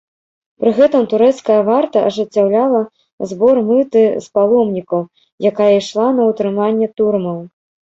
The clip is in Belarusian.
Пры гэтым турэцкая варта ажыццяўляла збор мыты з паломнікаў, якая ішла на ўтрыманне турмаў.